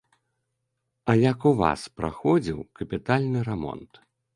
А як у вас праходзіў капітальны рамонт?